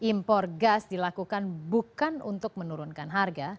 impor gas dilakukan bukan untuk menurunkan harga